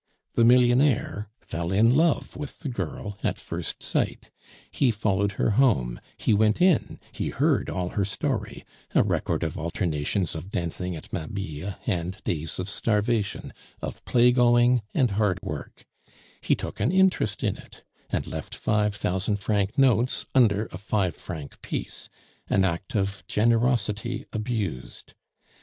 The millionaire fell in love with the girl at first sight; he followed her home, he went in; he heard all her story, a record of alternations of dancing at Mabille and days of starvation, of play going and hard work; he took an interest in it, and left five thousand franc notes under a five franc piece an act of generosity abused.